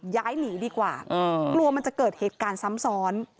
ย้ายหนีดีกว่ากลัวมันจะเกิดเหตุการณ์ซ้ำซ้อน